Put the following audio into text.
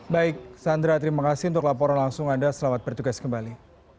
baik sandra terima kasih untuk laporan langsung anda selamat bertugas kembali